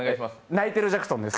泣いてるジャクソンです。